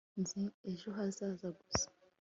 Nzi ejo hazaza gusa